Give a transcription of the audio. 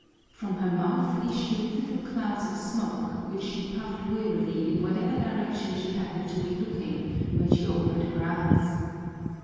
From her mouth issued little clouds of smoke which she puffed wearily in whatever direction she happened to be looking when she opened her eyes.